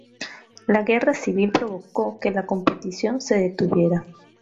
La Guerra Civil provocó que la competición se detuviera.